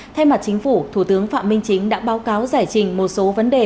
thay mặt chính phủ thủ tướng phạm minh chính đã báo cáo giải trình một số vấn đề